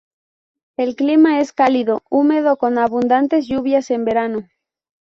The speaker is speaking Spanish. El clima es cálido-húmedo con abundantes lluvias en verano.